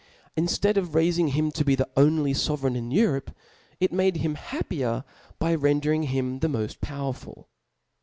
Inftead of raifmg him to be the only fovereign in Europe, it made him happier by rendering him the mod powerful.